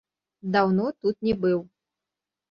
Даўно тут не быў.